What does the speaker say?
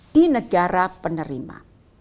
di negara penerima